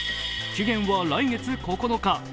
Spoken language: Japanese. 期限は来月９日。